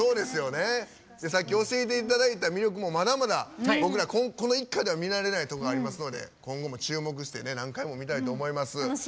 さっき教えていただいた魅力もまだまだ僕ら、この一回では見られないところがありますので今後も注目して何回も見たいと思います。